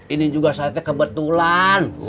ini juga saatnya kebetulan